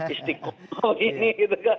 istiqomah ini gitu